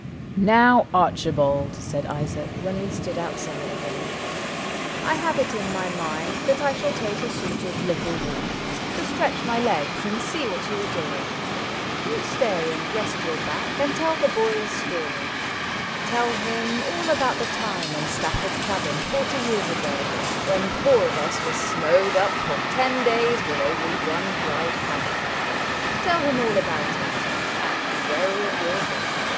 ^ Now, Archibald," said Isaac, when we stood Outside again, ^^ I have it in my mind 94 ISAAC AND ARCHIBALD That I shall take a sort of little walk — To stretch my legs and see what you are doing. You stay and rest your back and tell the boy A story : Tell him all about the time In Stafford's cabin forty years ago, When four of us were snowed up for ten days With only one dried haddock. Tell him all About it, and be wary of your back.